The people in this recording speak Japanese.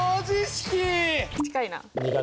近いな。